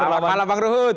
selamat malam bang rujut